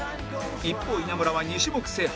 一方稲村は２種目制覇